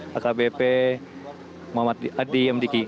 pak kbp muhammad adi mdiki